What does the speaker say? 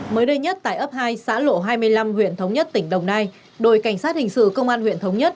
mới đây nhất tại ấp hai xã lộ hai mươi năm huyện thống nhất tỉnh đồng nai đội cảnh sát hình sự công an huyện thống nhất